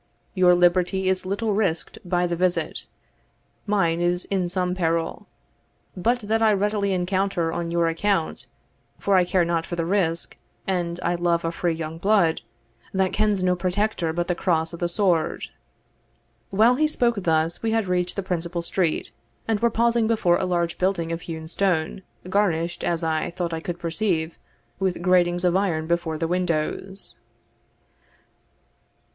Your liberty is little risked by the visit; mine is in some peril; but that I readily encounter on your account, for I care not for risk, and I love a free young blood, that kens no protector but the cross o' the sword." While he spoke thus, we had reached the principal street, and were pausing before a large building of hewn stone, garnished, as I thought I could perceive, with gratings of iron before the windows.